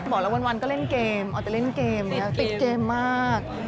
บอกแล้ววันก็เล่นเกมเอาแต่เล่นเกมติดเกมมาก